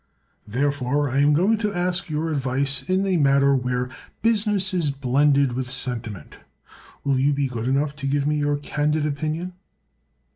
"Therefore I am going to ask your advice in a matter where business is blended with sentiment. Will you be good enough to give me your candid opinion?"